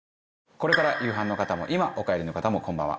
これから夕飯の方も今お帰りの方もこんばんは。